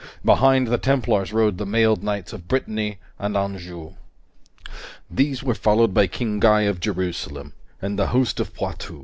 Behind the Templars rode the mailed knights of Brittany and Anjou. These were followed by King Guy of Jerusalem and the host of Poitou.